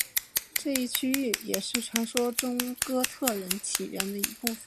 这一区域也是传说中哥特人起源的一部分。